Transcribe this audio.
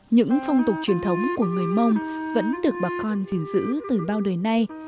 những phong tục truyền thống của người mông vẫn được bà con gìn giữ từ bao đời nay